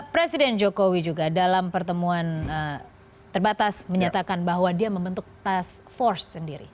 presiden jokowi juga dalam pertemuan terbatas menyatakan bahwa dia membentuk task force sendiri